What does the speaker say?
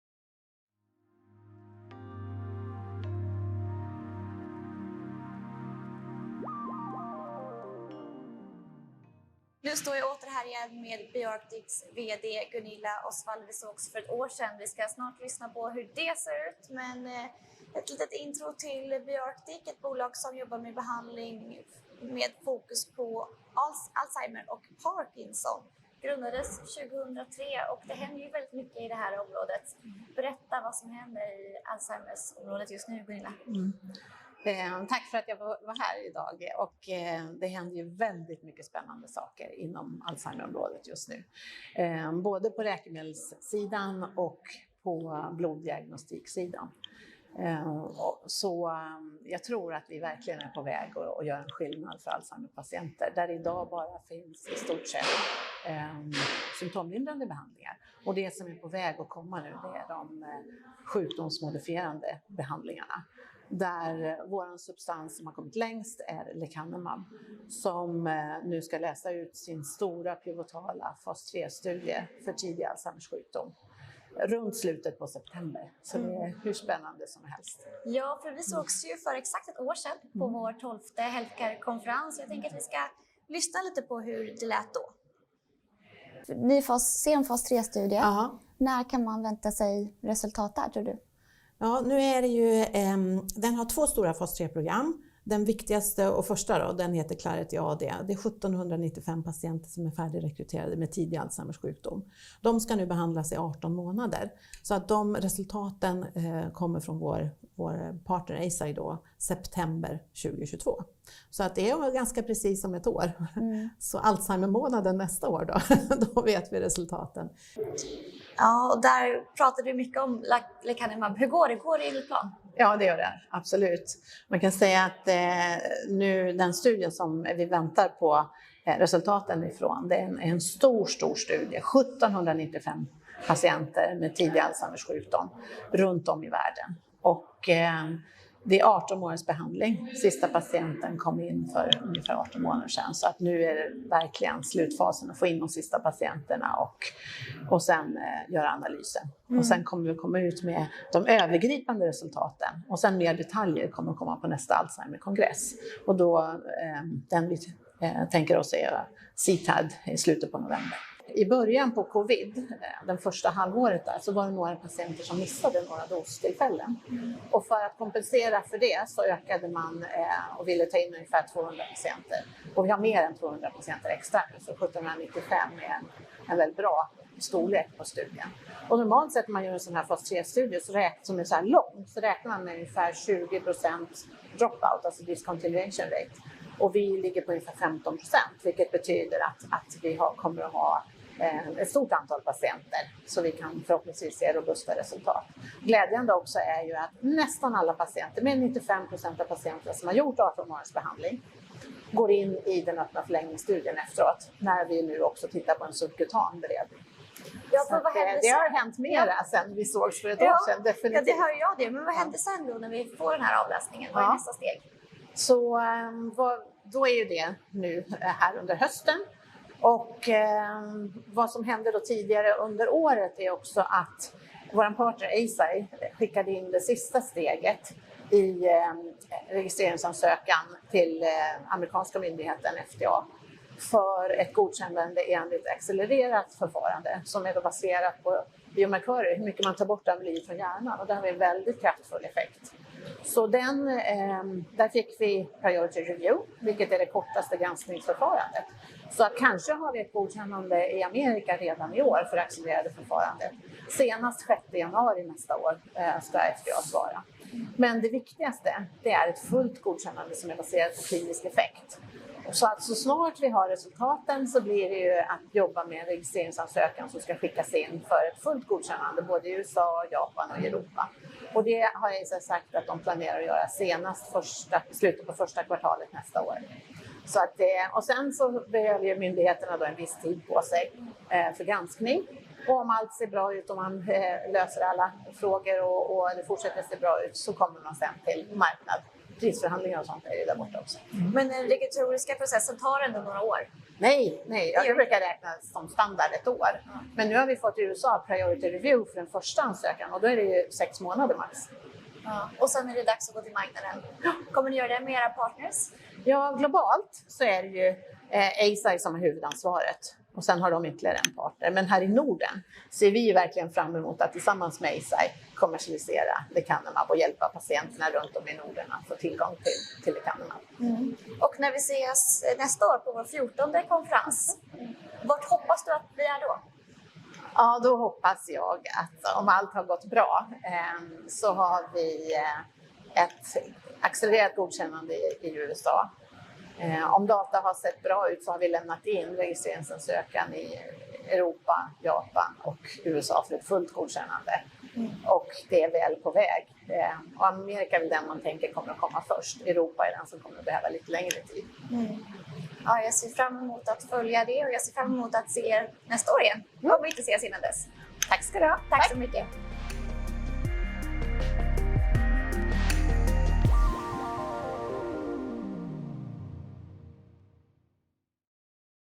Nu står jag åter här igen med BioArctics VD Gunilla Osswald. Vi sågs för ett år sedan. Vi ska snart lyssna på hur det ser ut. Ett litet intro till BioArctic, ett bolag som jobbar med behandling med fokus på Alzheimer och Parkinson. Grundades 2003 och det händer ju väldigt mycket i det här området. Berätta vad som händer i Alzheimersområdet just nu, Gunilla. Tack för att jag får vara här i dag och det händer ju väldigt mycket spännande saker inom Alzheimerområdet just nu, både på läkemedelssidan och på bloddiagnostiksidan. Jag tror att vi verkligen är på väg att göra en skillnad för Alzheimerpatienter. Där i dag bara finns i stort sett symptomlindrande behandlingar. Det som är på väg att komma nu det är de sjukdomsmodifierande behandlingarna. Där vår substans som har kommit längst är Lecanemab som nu ska läsa ut sin stora pivotala fas tre-studie för tidig Alzheimers sjukdom runt slutet på september. Det är hur spännande som helst. Ja, för vi sågs ju för exakt ett år sedan på vår tolfte Healthcare-konferens. Jag tänker att vi ska lyssna lite på hur det lät då. Ni ser en fas tre-studie. När kan man vänta sig resultat där tror du? Ja, nu är det ju den har 2 stora fas tre-program. Den viktigaste och första då, den heter Clarity AD. Det är 1,795 patienter som är färdigrekryterade med tidig Alzheimers sjukdom. De ska nu behandlas i 18 månader. att de resultaten kommer från vår partner Eisai då September 2022. att det är ganska precis om 1 år. Alzheimer-månaden nästa år då vet vi resultaten. Ja, där pratar du mycket om lecanemab. Hur går det? Går det enligt plan? Ja, det gör det. Absolut. Man kan säga att nu den studien som vi väntar på resultaten ifrån, det är en stor studie. 1,795 patienter med tidig Alzheimers sjukdom runt om i världen. Det är 18 månaders behandling. Sista patienten kom in för ungefär 18 månader sedan. Att nu är det verkligen slutfasen att få in de sista patienterna och sen göra analysen. Sen kommer vi komma ut med de övergripande resultaten och sen mer detaljer kommer att komma på nästa Alzheimer-kongress. Då den vi tänker oss är CTAD i slutet på november. I början på Covid, den första halvåret där, så var det några patienter som missade några dostillfällen. För att kompensera för det så ökade man och ville ta in ungefär 200 patienter. Vi har mer än 200 patienter extra. 1,795 är en väldigt bra storlek på studien. Normalt sett när man gör en sån här fas tre-studie som är såhär lång, så räknar man med ungefär 20% dropout, alltså discontinuation rate. Vi ligger på ungefär 15%, vilket betyder att vi har, kommer att ha ett stort antal patienter så vi kan förhoppningsvis se robusta resultat. Glädjande också är ju att nästan alla patienter, mer än 95% av patienter som har gjort 18 månaders behandling, går in i den öppna förlängningsstudien efteråt när vi nu också tittar på en subkutan beredning. Det har hänt mera sedan vi sågs för ett år sedan, definitivt. Ja, det hör jag det. Vad händer sen då när vi får den här avläsningen? Vad är nästa steg? Är ju det nu här under hösten. Vad som hände då tidigare under året är också att vår partner Eisai skickade in det sista steget i en registreringsansökan till amerikanska myndigheten FDA för ett godkännande enligt accelererat förfarande som är då baserat på biomarkörer, hur mycket man tar bort av bly från hjärnan. Den har en väldigt kraftfull effekt. Den där fick vi priority review, vilket är det kortaste granskningsförfarandet. Att kanske har vi ett godkännande i Amerika redan i år för det accelererade förfarandet. Senast sjätte januari nästa år ska FDA svara. Det viktigaste, det är ett fullt godkännande som är baserat på klinisk effekt. Att så snart vi har resultaten så blir det ju att jobba med en registreringsansökan som ska skickas in för ett fullt godkännande, både i USA, Japan och Europa. Det har Eisai sagt att de planerar att göra senast i slutet på första kvartalet nästa år. Att det, och sen så behåller ju myndigheterna då en viss tid på sig för granskning. Om allt ser bra ut och man löser alla frågor och det fortsätter se bra ut, så kommer man sedan till marknad. Prisförhandlingar och sånt är ju där borta också. Den regulatoriska processen tar ändå några år? Nej, nej, jag brukar räkna som standard 1 år. Nu har vi fått USA priority review för den första ansökan och då är det ju 6 månader max. Är det dags att gå till marknaden. Kommer ni göra det med era partners? Ja, globalt så är det ju Eisai som har huvudansvaret och sen har de ytterligare en partner. Här i Norden ser vi verkligen fram emot att tillsammans med Eisai kommersialisera Lecanemab och hjälpa patienterna runt om i Norden att få tillgång till Lecanemab. Och när vi ses nästa år på vår fjortonde konferens, vart hoppas du att vi är då? Ja, då hoppas jag att om allt har gått bra, så har vi ett accelererat godkännande i USA. Om data har sett bra ut så har vi lämnat in registreringsansökan i Europa, Japan och USA för ett fullt godkännande. Det är väl på väg. Amerika är den man tänker kommer att komma först. Europa är den som kommer att behöva lite längre tid. Ja, jag ser fram emot att följa det och jag ser fram emot att se er nästa år igen. Hoppas vi inte ses innan dess. Tack ska du ha. Tack så mycket.